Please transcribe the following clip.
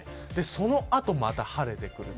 そのあとまた晴れてくる。